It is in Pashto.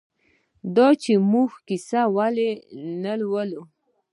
دا چې موږ کیسه ولې نه لولو؟